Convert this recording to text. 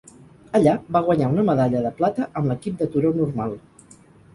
Allà, va guanyar una medalla de plata amb l'equip de turó normal.